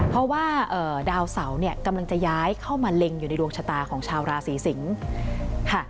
เพราะว่าดาวเสาเนี่ยกำลังจะย้ายเข้ามาเล็งอยู่ในดวงชะตาของชาวราศีสิงค่ะ